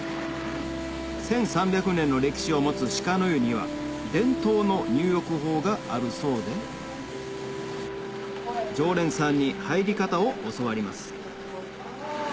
１３００年の歴史を持つ鹿の湯には伝統の入浴法があるそうで常連さんに入り方を教わります